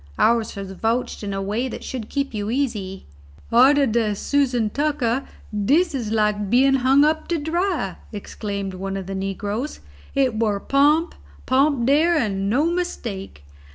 Ours has vouched in a way that should keep you easy." "Arter de Soosan Tucker dis is like bein' hung up to dry," exclaimed one of the negroes. "It war pump, pump dere and no mistake.